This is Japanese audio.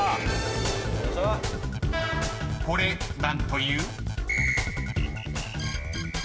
［これ何という？］